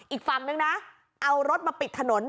อีกฝั่งนึงนะเอารถมาปิดถนน